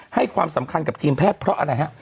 ให้ความสำคัญกับทีมแพทย์เพราะอะไรฮะ